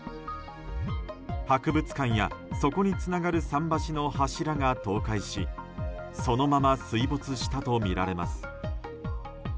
博物館や、そこにつながる桟橋の柱が倒壊しそのまま水没したとみられます。